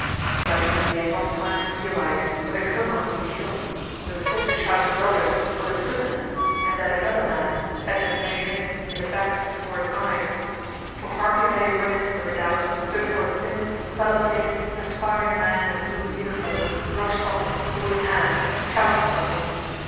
But he had not time to realize that the colonel had been killed, that the soldier shouting "Brothers!" was a prisoner, and that another man had been bayoneted in the back before his eyes, for hardly had he run into the redoubt before a thin, sallow faced, perspiring man in a blue uniform rushed on him sword in hand, shouting something.